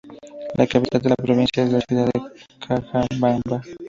La capital de la provincia es la ciudad de "Cajabamba".